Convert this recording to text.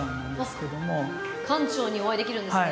館長にお会いできるんですね。